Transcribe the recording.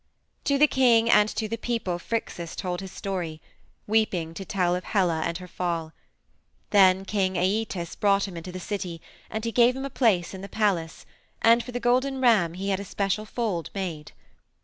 "To the king and to the people Phrixus told his story, weeping to tell of Helle and her fall. Then King Æetes brought him into the city, and he gave him a place in the palace, and for the golden ram he had a special fold made.